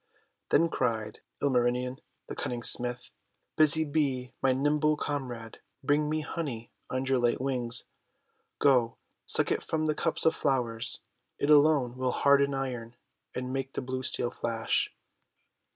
Then cried Emarinen the Cunning Smith :— "Busy Bee, my nimble comrade, bring me honey on your light wings ! Go, suck it from the cups of flowers. It alone will harden Iron, and make the blue Steel flash!'